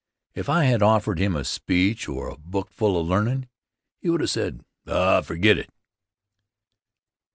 If I had offered him a speech or a bookful of learnin', he would have said, "Oh, forget it!"